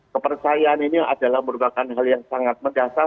kepercayaan ini adalah merupakan hal yang sangat mendasar